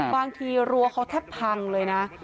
บางทีรั้วเขาแทบพังเลยนะ